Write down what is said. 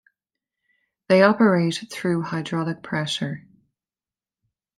They operate through hydraulic pressure.